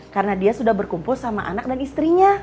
karena dia sudah berkumpul sama anak dan istrinya